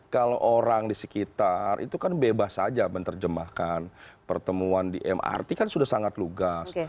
kalau orang di sekitar itu kan bebas saja menerjemahkan pertemuan di mrt kan sudah sangat lugas